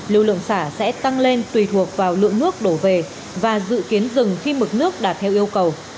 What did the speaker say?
lưu lượng xả sẽ tăng lên tùy thuộc vào lượng nước đổ về và dự kiến dừng khi mực nước đạt theo yêu cầu